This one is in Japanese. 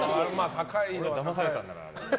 俺もだまされたんだから。